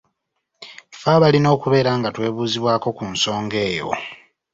Ffe abalina okubeera nga twebuuzibwako ku nsonga eyo.